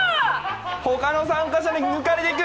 他の参加者に抜かれていく！